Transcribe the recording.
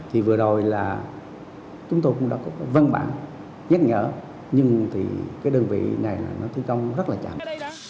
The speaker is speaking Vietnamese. thì vừa rồi là chúng tôi cũng đã có văn bản nhắc nhở nhưng thì cái đơn vị này là nó thi công rất là chậm